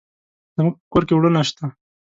زموږ په کور کې اوړه نشته.